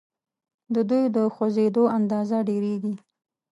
د دوی د خوځیدو اندازه ډیریږي.